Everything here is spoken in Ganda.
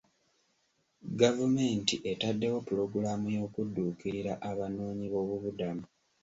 Gavumenti etaddewo pulogulaamu y'okudduukirira abanoonyi b'obubudamu.